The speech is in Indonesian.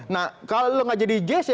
nah kalau nggak jadi jc